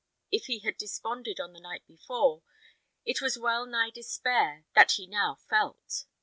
If he had desponded on the night before, it was well nigh despair that he now felt.